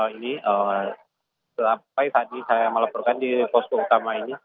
ini sampai saat ini saya melaporkan di posko utama ini